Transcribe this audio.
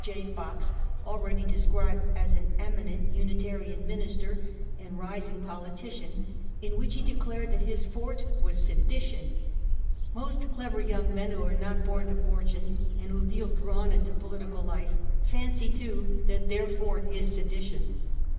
J. Fox, already described as an eminent Unitarian minister and rising politician, in which he declared that his forte was sedition. Most clever young men who are not born to fortune, and who feel drawn into political life, fancy too that their forte is sedition.